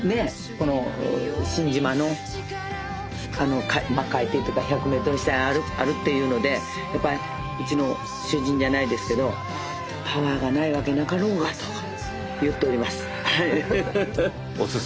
この新島の海底っていうか１００メートル下にあるっていうのでやっぱりうちの主人じゃないですけど「パワーがないわけなかろうが」と言っております。